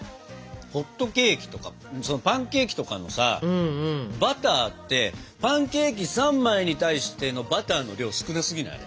ホットケーキとかパンケーキとかのさバターってパンケーキ３枚に対してのバターの量少なすぎない？